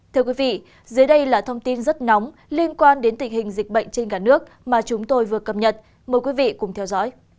thưa quý vị dưới đây là thông tin rất nóng liên quan đến tình hình dịch bệnh trên cả nước mà chúng tôi vừa cập nhật mời quý vị cùng theo dõi